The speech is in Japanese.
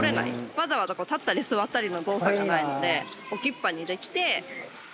わざわざ立ったり座ったりの動作じゃないので置きっぱにできて。